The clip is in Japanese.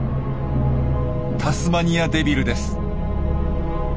タスマニアデビルです。